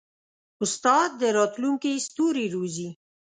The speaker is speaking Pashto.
استاد د راتلونکي ستوري روزي.